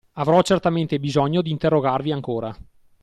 Avrò certamente bisogno d'interrogarvi ancora.